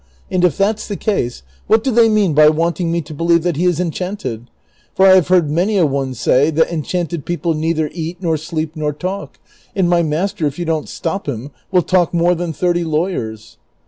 And if that's the case, what do they mean by wanting me to believe that he is en chanted ? For I have heard many a one say that enchanted people neither eat, nor sleep, nor talk ; and my master, if yon don't stop him, will talk more than thirty lawyers."